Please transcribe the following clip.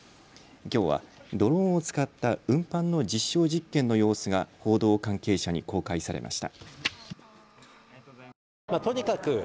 きょうはドローンを使った運搬の実証実験の様子が報道関係者に公開されました。